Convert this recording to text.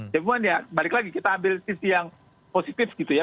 cuman ya balik lagi kita ambil sisi yang positif gitu ya